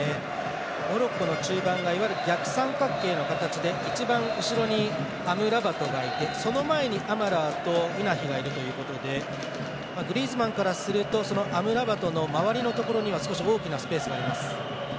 モロッコの中盤が逆三角形の形で一番後ろにアムラバトがいてその前にアマラーとウナヒがいるということでグリーズマンからするとアムラバトの周りのところには少し大きなスペースがあります。